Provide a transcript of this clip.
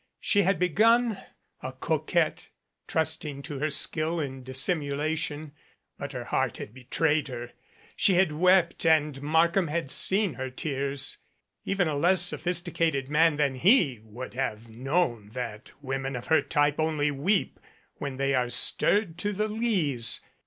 She had begun a coquette, trusting to her skill in dissimulation, but her heart had betrayed her. She had wept and Markham had seen her tears. Even a less sophisticated man than he would have known that women of her type only weep when they are stirred to the lees.